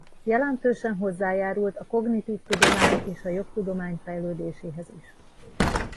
Jelentősen hozzájárult a kognitív tudomány és a jogtudomány fejlődéséhez is.